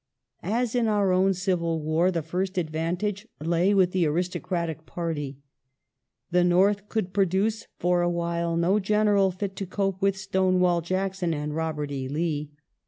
As in our own Civil War, the first advantage lay with the aristocratic party. The North could produce, for a while, no General fit to cope with " Stonewall " Jackson and Robert E. Lee.